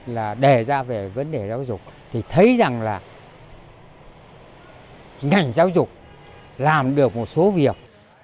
là đề ra về vấn đề giáo dục thì thấy rằng là ngành giáo dục làm được một số việc